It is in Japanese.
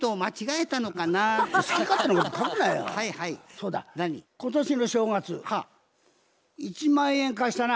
そうだ今年の正月１万円貸したな？